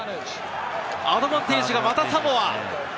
アドバンテージがまたサモア！